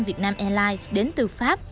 việt nam airlines đến từ pháp